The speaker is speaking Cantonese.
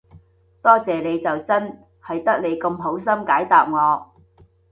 多謝你就真，係得你咁好心解答我